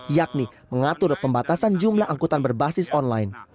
yakni mengatur pembatasan jumlah angkutan berbasis online